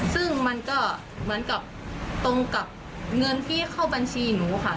ซึ่งมันก็เหมือนกับตรงกับเงินที่เข้าบัญชีหนูค่ะ